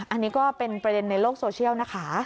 อันนี้ก็เป็นประเด็นในโลกโซเชียลนะคะ